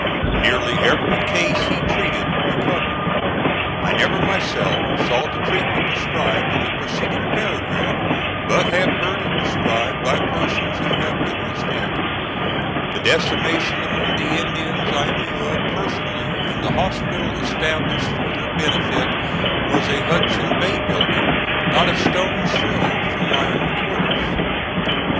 Nearly every case he treated recovered. I never, myself, saw the treatment described in the preceding paragraph, but have heard it described by persons who have witnessed it. The decimation among the Indians I knew of personally, and the hospital, established for their benefit, was a Hudson's Bay building not a stone's throw from my own quarters.